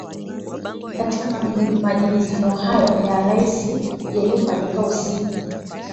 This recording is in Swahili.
katika majibizano hayo ya risasi yaliyofanyika usiku